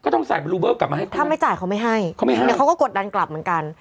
ต้องใส่บลูเบอร์กลับมาให้ถ้าไม่จ่ายเขาไม่ให้เขาไม่ให้เดี๋ยวเขาก็กดดันกลับเหมือนกัน